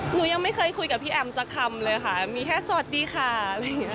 หนูยังไม่เคยคุยกับพี่แอมสักคำเลยค่ะมีแค่สวัสดีค่ะอะไรอย่างนี้